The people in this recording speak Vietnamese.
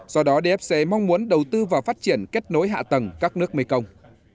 do đó dfc mong muốn đầu tư vào phát triển kết nối hạ tầng các nước mekong